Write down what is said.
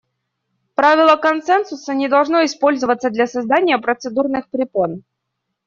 Правило консенсуса не должно использоваться для создания процедурных препон.